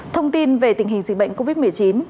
thông tin về tình hình dịch bệnh covid một mươi chín